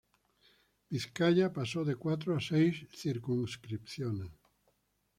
Vizcaya pasó de cuatro a seis circunscripciones.